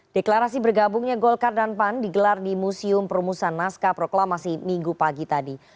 deklarasi bergabungnya golkar dan pan digelar di museum perumusan naskah proklamasi minggu pagi tadi